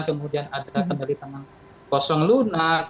kemudian ada kendari tangan kosong lunak